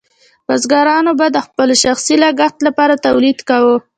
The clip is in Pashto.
بزګرانو به د خپل شخصي لګښت لپاره تولید کاوه.